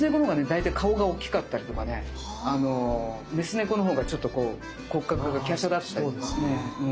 大体顔が大きかったりとかねメス猫のほうがちょっとこう骨格が華奢だったりとか。